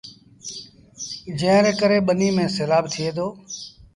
جݩهݩ ري ڪري ٻنيٚ ميݩ سيلآب ٿئي دو۔